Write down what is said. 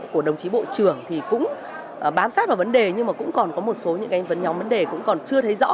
của đồng chí bộ trưởng thì cũng bám sát vào vấn đề nhưng mà cũng còn có một số những cái vấn nhóm vấn đề cũng còn chưa thấy rõ